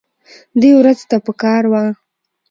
دې ورځ ته پکار وه